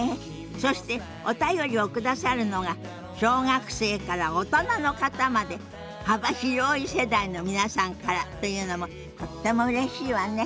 そしてお便りを下さるのが小学生から大人の方まで幅広い世代の皆さんからというのもとってもうれしいわね。